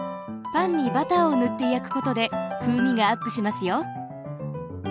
パンにバターを塗って焼くことで風味がアップしますよ！